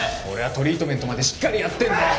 俺はトリートメントまでしっかりやってんの。